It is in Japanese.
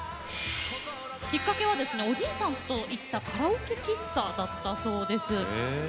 きっかけはおじいさんとカラオケ喫茶に通ううちにだったそうです。